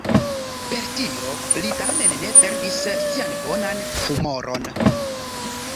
Per tio li tamen ne perdis sian bonan humoron.